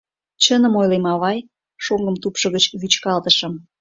— Чыным ойлем, авай! — шоҥгым тупшо гыч вӱчкалтышым.